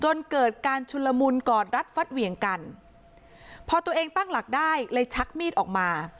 จนเกิดการชุนละมุนกอดรัดฟัดเหวี่ยงกันพอตัวเองตั้งหลักได้เลยชักมีดออกมา